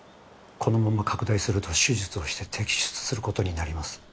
このまま拡大すると手術をして摘出することになります